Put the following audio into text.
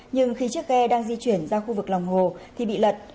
nhưng khi chiếc ghe đang di chuyển ra khu vực lòng hồ thì bị lật